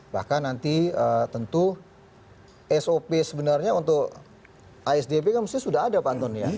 bahkan nanti tentu sop sebenarnya untuk asdp kan mesti sudah ada pak anton ya